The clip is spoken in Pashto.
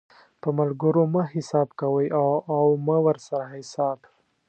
په ملګرو مه حساب کوئ او مه ورسره حساب